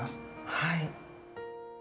はい。